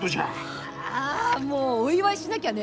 ああもうお祝いしなきゃね。